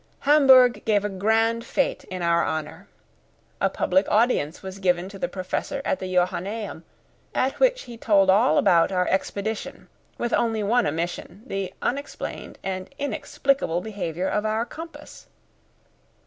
Hamburg gave a grand fete in our honour. A public audience was given to the Professor at the Johannæum, at which he told all about our expedition, with only one omission, the unexplained and inexplicable behaviour of our compass.